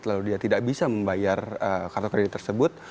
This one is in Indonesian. lalu dia tidak bisa membayar kartu kredit tersebut